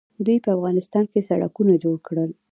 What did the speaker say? دوی په افغانستان کې سړکونه جوړ کړل.